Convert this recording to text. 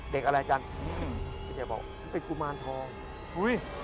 เด็กอะไรจังอาเจกบอกเป็นกุมารทอง